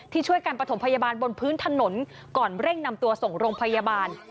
ช่วยกันประถมพยาบาลบนพื้นถนนก่อนเร่งนำตัวส่งโรงพยาบาล